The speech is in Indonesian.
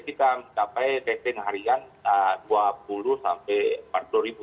kita mendapatkan testing harian dua puluh empat puluh ribu